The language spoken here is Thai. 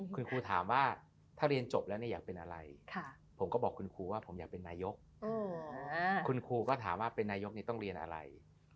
คุณครูถามว่าถ้าเรียนจบแล้วอยากเป็นอะไร